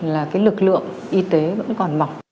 là lực lượng y tế vẫn còn mọc